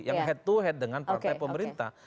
yang head to head dengan partai pemerintah